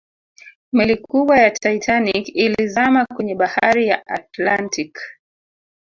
Meli kubwa ya Titanic ilizama kwenye bahari ya Atlantic